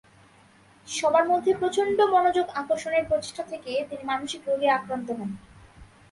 সবার মধ্যে প্রচণ্ড মনোযোগ আকর্ষণের প্রচেষ্টা থেকে তিনি মানসিক রোগে আক্রান্ত হন।